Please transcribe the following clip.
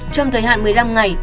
trong thời hạn một mươi năm ngày